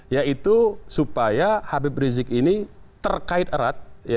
yaitu supaya habib rizik ini terkait erat